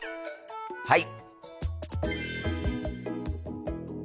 はい！